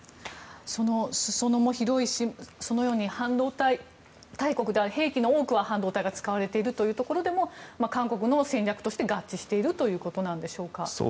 すそ野も広いし半導体大国で、兵器の多くに半導体が使われているというところでも韓国の戦略として合致しているということなんでしょうか。